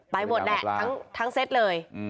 ไปหมดแน่ทั้งเซ็ตเลย